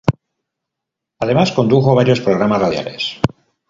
Además condujo varios programas radiales.